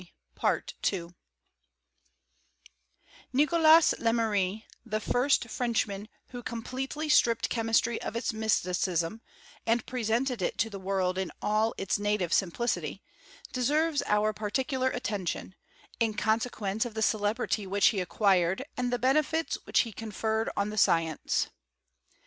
* Nicolas Lemery, the first Frenchman who completely stripped chemistry of its mysticism, and presented it to the world in all its native simplicity, deserves our par ticular attention, in consequence of the celebrity which he acquired, and the benefits which he conferred on the science.